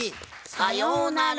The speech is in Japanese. さようなら！